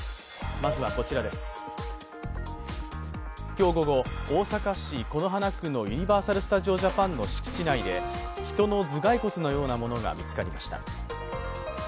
今日午後、大阪市此花区のユニバーサル・スタジオ・ジャパンの敷地内で、人の頭蓋骨のようなものが見つかりました。